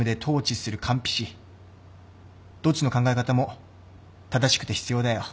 どっちの考え方も正しくて必要だよ。